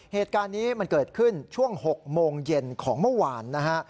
เหตุการณ์นี้มันเกิดขึ้นช่วง๖โมงเย็นของเมื่อวานนะฮะ